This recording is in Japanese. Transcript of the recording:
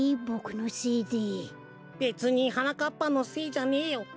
べつにはなかっぱのせいじゃねえよ。